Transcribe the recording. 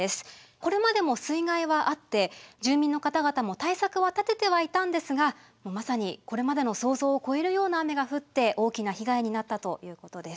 これまでも水害はあって住民の方々も対策は立ててはいたんですがまさにこれまでの想像を超えるような雨が降って大きな被害になったということです。